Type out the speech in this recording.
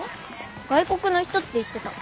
外国の人って言ってた。